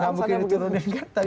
tidak mungkin diturunin kan